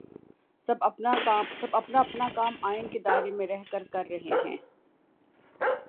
سب اپنا اپنا کام آئین کے دائرے میں رہ کر رہے ہیں۔